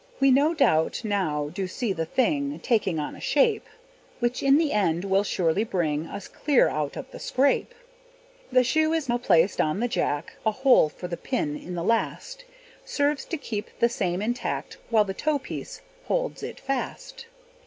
We no doubt now do see the thing Taking on a shape, Which, in the end, will surely bring Us clear out of the scrape. The shoe is now placed on the jack; A hole, for the pin in the last, Serves to keep the same intact, While the toe piece holds it fast.